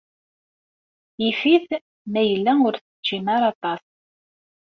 Yif-it ma yella ur teččim ara aṭas.